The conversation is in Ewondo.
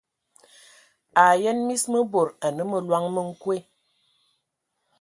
A yən mis mə bod anə məloŋ mə nkoe.